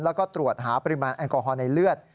แล้วก็ตรวจหาปริมาณแอลกอฮอล์ในเลือด